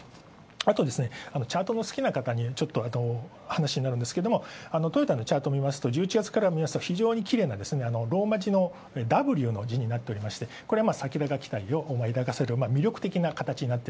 あとチャートの好きなかたむけの話になるんですがトヨタのチャートを見ますと１１月から見ますと非常にきれいなローマ字のＷの文字になっておりましてこれが先高を思わせる形。